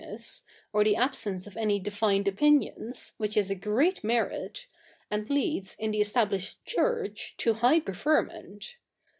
tess, or the absence of a?iy defined opinions, which is a great merit, and leads, i?2 the Established Church, to high preferment.